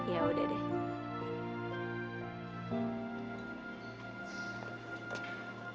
ya udah deh